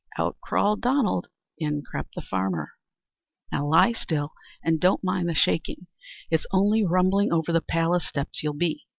Out crawled Donald; in crept the farmer. "Now lie still, and don't mind the shaking; it's only rumbling over the palace steps you'll be.